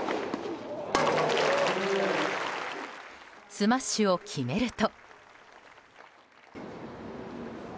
スマッシュを決めると。